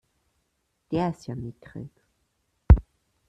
Der ist ja mickrig!